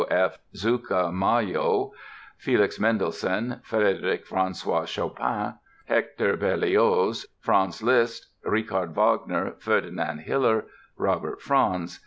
W. F. Zuccalmaglio, Felix Mendelssohn, Frédéric Francois Chopin, Hector Berlioz, Franz Liszt, Richard Wagner, Ferdinand Hiller, Robert Franz.